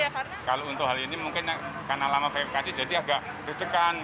kalau untuk hal ini mungkin karena lama verifikasi jadi agak rujukan